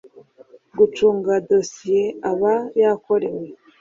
gucunga dosiye aba yakorewe